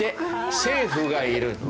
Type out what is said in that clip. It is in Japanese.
政府がいる。